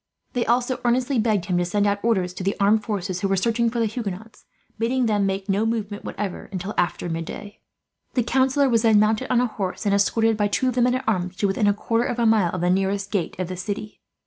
They also earnestly begged him to send out orders, to the armed forces who were searching for the Huguenots, bidding them make no movement, whatever, until after midday. The councillor was then mounted on a horse and escorted, by two of the men at arms, to within a quarter of a mile of the nearest gate of the city.